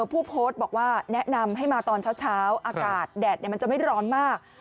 ผู้โพสต์บอกว่าแนะนำให้มาตอนเช้าอากาศแดดมันจะไม่ร้อนมาก